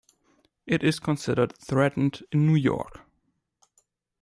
It is considered threatened in New York.